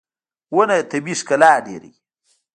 • ونه طبیعي ښکلا ډېروي.